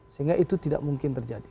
sehingga itu tidak mungkin terjadi